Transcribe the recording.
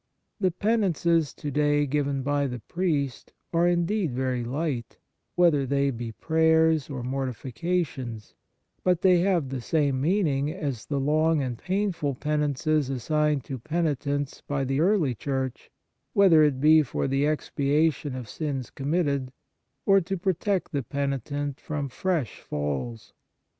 The penances to day given by the priest are indeed very light, whether they be prayers On the Exercises of Piety or mortifications ; but they have the same meaning as the long and painful penances assigned to penitents by the early Church, whether it be for the expiation of sins committed, or to protect the penitent from fresh falls.